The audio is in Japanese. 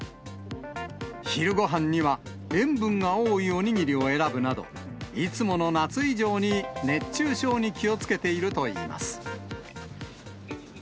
昼ごはんには塩分が多いお握りを選ぶなど、いつもの夏以上に熱中症に気をつけているといいます。